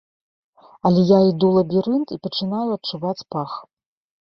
Але я іду лабірынт і пачынаю адчуваць пах.